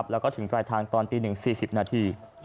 แล้วก็ถึงปลายทางตอนตี๑๔๐นาที